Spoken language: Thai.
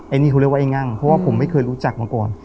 อันนี้เขาเรียกว่าไอ้งั่งเพราะว่าผมไม่เคยรู้จักมาก่อน